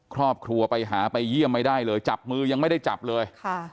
ครอบครัวไปหาไปเยี่ยมไม่ได้เลยจับมือยังไม่ได้จับเลย